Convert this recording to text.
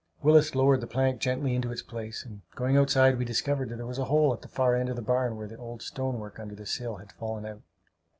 Willis lowered the plank gently into its place; and going outside, we discovered that there was a hole at the far end of the barn where the old stone work under the sill had fallen out.